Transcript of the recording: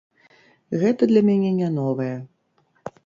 Гэта для мяне не новае.